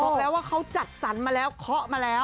บอกแล้วว่าเขาจัดสรรมาแล้วเคาะมาแล้ว